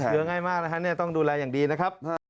ติดเชื้อง่ายมากต้องดูแลอย่างดีนะครับ